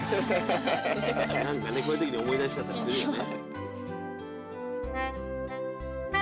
こういう時に思い出しちゃったりするよね。